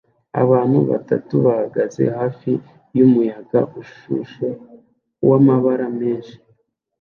Abantu batatu bahagaze hafi yumuyaga ushushe wamabara menshi